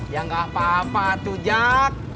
ya gak apa apa tuh jak